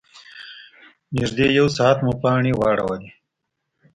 نږدې یو ساعت مو پانې واړولې.